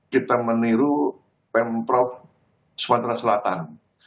kita meniru pemprov sumatera selatan